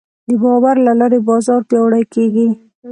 د باور له لارې بازار پیاوړی کېږي.